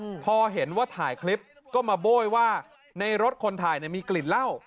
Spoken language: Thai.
อืมพอเห็นว่าถ่ายคลิปก็มาโบ้ยว่าในรถคนถ่ายเนี้ยมีกลิ่นเหล้า